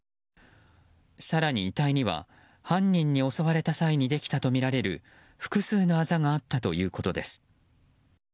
更に遺体には、犯人に襲われた際にできたとみられる複数のあざがあったということです。